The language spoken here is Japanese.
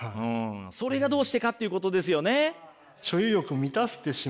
それがどうしてかっていうことですよね。